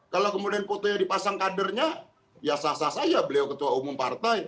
kalau kemudian fotonya dipasang kadernya ya sah sah saja beliau ketua umum partai